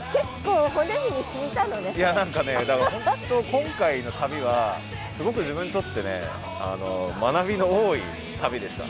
今回の旅はすごく自分にとって学びの多い旅でした。